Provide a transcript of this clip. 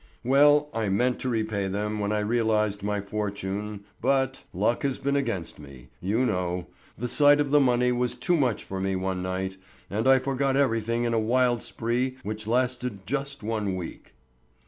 Well, I meant to repay them when I realized my fortune, but—luck has been against me, you know—the sight of the money was too much for me one night, and I forgot everything in a wild spree which lasted just one week.